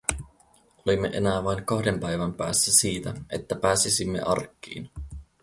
Olimme enää vain kahden päivän päässä siitä, että pääsisimme arkkiin.